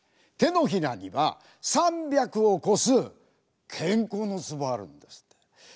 手のひらには３００を超す健康のツボあるんですって。